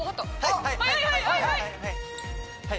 はい！